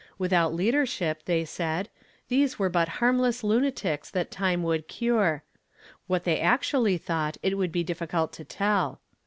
Without leaderehip, they said, these were but hannless lunatics that time would cure. What they actually thought it would be difficult to tell.